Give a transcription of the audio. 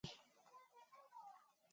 همداسې د محبوبې د توصيف لپاره کارېدلي